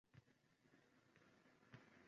Uyga boshlab kirdi o’gay onamni